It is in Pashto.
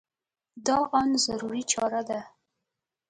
دا ان ضروري چاره ده.